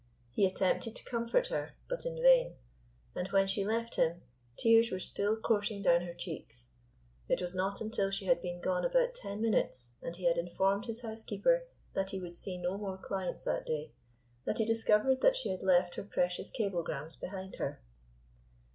He attempted to comfort her, but in vain; and when she left him, tears were still coursing down her cheeks. It was not until she had been gone about ten minutes, and he had informed his housekeeper that he would see no more clients that day, that he discovered that she had left her precious cablegrams behind her.